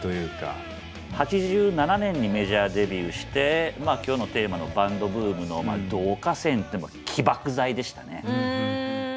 ８７年にメジャーデビューして今日のテーマの「バンドブーム」の導火線起爆剤でしたね。